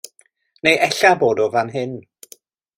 Neu ella bod o fan hyn.